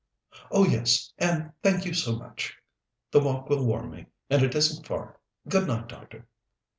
"Oh, yes, and thank you so much. The walk will warm me, and it isn't far. Good night, doctor."